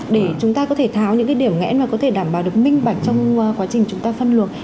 để chúng ta có thể tháo những cái điểm nghẽn mà có thể đảm bảo được minh bạch trong quá trình chúng ta phân luộc